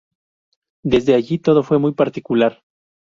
Desde allí todo fue muy particular.